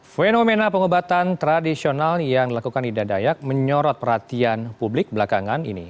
fenomena pengobatan tradisional yang dilakukan ida dayak menyorot perhatian publik belakangan ini